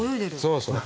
そうそう。